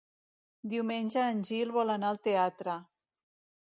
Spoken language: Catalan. Diumenge en Gil vol anar al teatre.